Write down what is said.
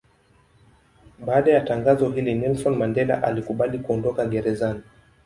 Baada ya tangazo hili Nelson Mandela alikubali kuondoka gerezani.